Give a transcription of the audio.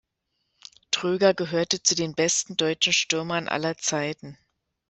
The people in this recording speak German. Tröger gehörte zu den besten deutschen Stürmern aller Zeiten.